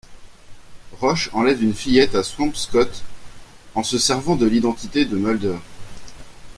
Roche enlève une fillette à Swampscott en se servant de l'identité de Mulder.